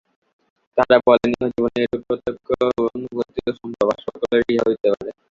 তাঁহারা বলেন, ইহজীবনেই এরূপ প্রত্যক্ষানুভূতি সম্ভব, আর সকলেরই ইহা হইতে পারে।